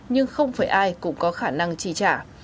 nhưng không phải ai cũng có khả năng chi trả